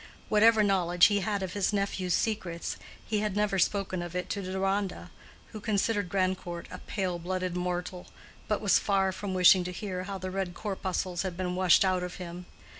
Whatever knowledge he had of his nephew's secrets, he had never spoken of it to Deronda, who considered Grandcourt a pale blooded mortal, but was far from wishing to hear how the red corpuscles had been washed out of him.